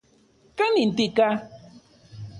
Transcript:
¿Kanin tika?